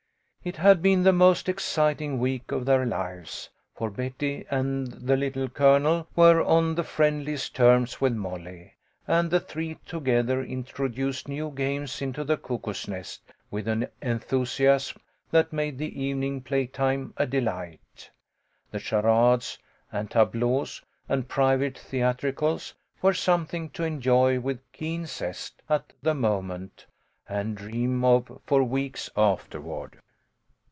It had been the most exciting week of their lives, for Betty and the Little Colonel were on the friendliest terms with Molly, and the three together introduced new games into the Cuckoo's Nest with an enthusiasm that made the evening playtime a delight. The charades and tableaux and private theatricals were something to enjoy with keen zest at the moment, and dream of for weeks afterward.